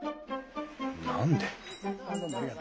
何で？